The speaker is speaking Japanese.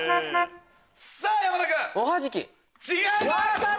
さぁ山田くん。違います！